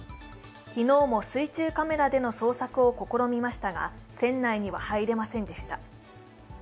昨日も水中カメラでの捜索を試みましたが、船内には入れませんでした。